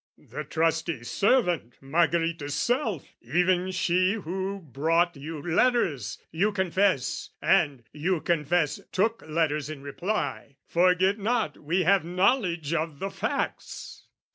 " The trusty servant, Margherita's self, "Even she who brought you letters, you confess, "And, you confess, took letters in reply: "Forget not we have knowledge of the facts!"